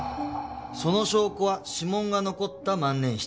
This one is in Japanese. その証拠は指紋が残った万年筆。